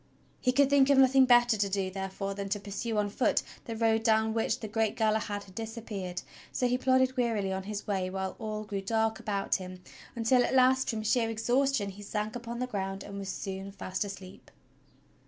He could think of nothing better to do, therefore, than to pursue on foot the road down which the great Galahad had disappeared; so he plodded wearily on his way while all grew dark about him, until at last, from sheer exhaustion he sank upon the ground and was soon fast asleep.